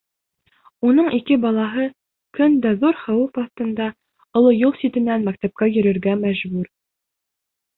Уның ике балаһы көн дә ҙур хәүеф аҫтында оло юл ситенән мәктәпкә йөрөргә мәжбүр.